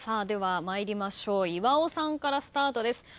では参りましょう岩尾さんからスタートです。